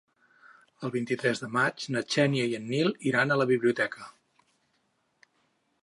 El vint-i-tres de maig na Xènia i en Nil iran a la biblioteca.